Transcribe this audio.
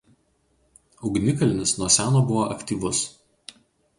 Ugnikalnis nuo seno buvo aktyvus.